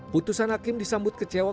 putusan hakim disambut kecewa